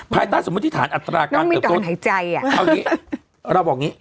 ภายใต้สมมุติฐานอัตราการเกิดเอางี้เราบอกอย่างนี้